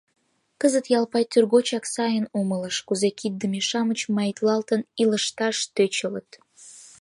Кызыт Ялпай тӱргочак сайын умылыш, кузе киддыме-шамыч маитлалтын илышташ тӧчылыт.